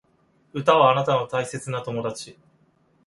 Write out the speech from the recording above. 歌はあなたの大切な友達